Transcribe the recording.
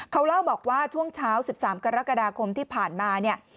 เขาเล่าบอกว่าช่วงเช้า๑๓กรกฎาคมที่ผ่านมาเนี่ย